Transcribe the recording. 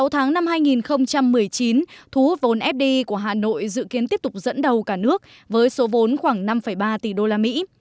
sáu tháng năm hai nghìn một mươi chín thu hút vốn fdi của hà nội dự kiến tiếp tục dẫn đầu cả nước với số vốn khoảng năm ba tỷ đô la mỹ